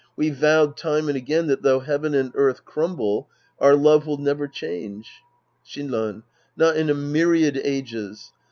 We've vowed time and again that though heaven and earth crumble, our love will never change. Shinran. Not in a myriad ages.